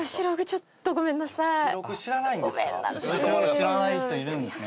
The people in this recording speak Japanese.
知らない人いるんですね。